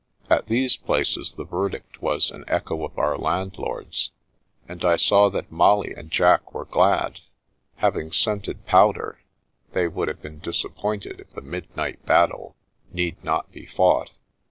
At these places the verdict was an echo of our landlord's, and I saw that Molly and Jack were glad. Having scented powder, they would have been disappointed if the midnight battle need not be fought.